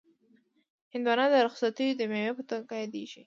هندوانه د رخصتیو د مېوې په توګه یادیږي.